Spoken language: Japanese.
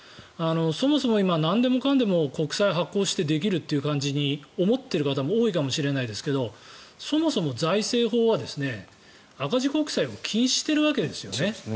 そもそも今、なんでもかんでも国債を発行してできるという感じに思っている方も多いかもしれないですけどそもそも財政法は、赤字国債を禁止しているわけですよね。